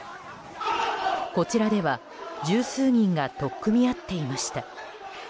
こちらでは十数人が取っ組み合っていました。